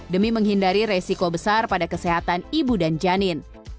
demi menghindari resiko besar pada kesehatan ibu dan janin